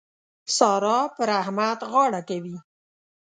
سارا پر احمد غاړه کوي.